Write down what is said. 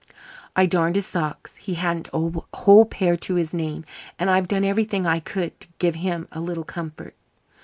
I darned his socks he hadn't a whole pair to his name and I've done everything I could to give him a little comfort.